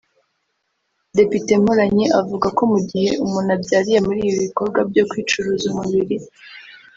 Depite Mporanyi avuga ko mu gihe umuntu abyariye muri ibi bikorwa byo kwicuruza umubiri